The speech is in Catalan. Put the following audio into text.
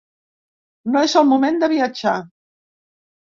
No és el moment de viatjar.